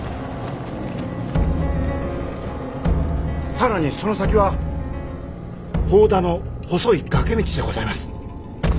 更にその先は祝田の細い崖道でございます。